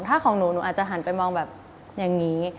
ถ้าของหนูหนูอาจจะหันไปมองแบบอย่างนี้